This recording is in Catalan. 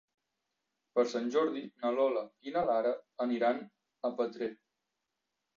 Per Sant Jordi na Lola i na Lara aniran a Petrer.